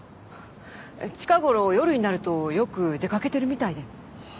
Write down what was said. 近頃夜になるとよく出かけてるみたいで。